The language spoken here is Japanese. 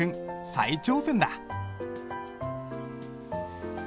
再挑戦だ。